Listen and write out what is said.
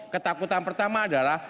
ketakutan pertama adalah